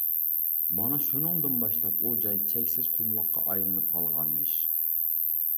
مانا شۇنىڭدىن باشلاپ ئۇ جاي چەكسىز قۇملۇققا ئايلىنىپ قالغانمىش.